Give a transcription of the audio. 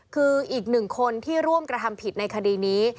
คืออีกหนึ่งคนที่ร่วมกระทำผิดในคดีนี้